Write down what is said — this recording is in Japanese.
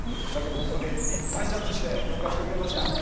だけどホントにいっぱいジャンプして紹介してくれました。